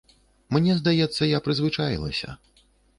Мне здаецца, я прызвычаілася.